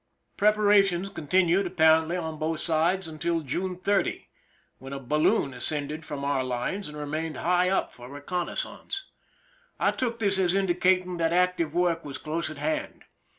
Preparations continued, apparently, on both sides until June 30, when a balloon ascended from our lines and remained high up for reconnaissance. I 263 THE SINKINa OF THE "MEERIMAC" took this as indicating that active work was close at hand.